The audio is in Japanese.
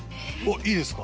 いいですか？